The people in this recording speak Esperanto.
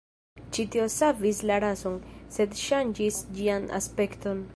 Ĉi tio savis la rason, sed ŝanĝis ĝian aspekton.